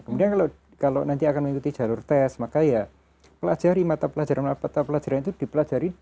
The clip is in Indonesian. kemudian kalau nanti akan mengikuti jalur tes maka ya pelajari mata pelajaran mata pelajaran itu dipelajari